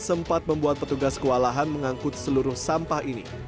sempat membuat petugas kewalahan mengangkut seluruh sampah ini